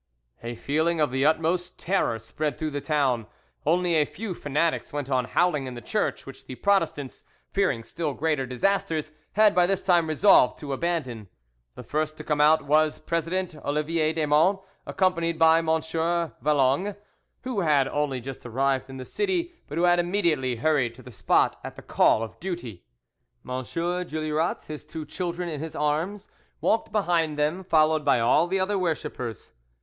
A feeling of the utmost terror spread through the town; only a few fanatics went on howling in the church, which the Protestants, fearing still greater disasters, had by this time resolved to abandon. The first to come out was President Olivier Desmonts, accompanied by M. Vallongues, who had only just arrived in the city, but who had immediately hurried to the spot at the call of duty. M. Juillerat, his two children in his arms, walked behind them, followed by all the other worshippers.